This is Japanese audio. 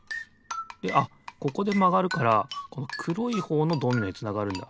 であっここでまがるからこのくろいほうのドミノへつながるんだ。